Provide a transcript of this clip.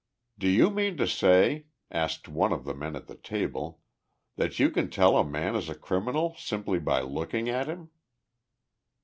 "Do you mean to say," asked one of the men at the table, "that you can tell that a man is a criminal simply by looking at him?"